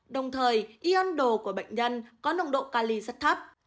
đồng thời yon đồ của bệnh nhân có nồng độ cali rất thấp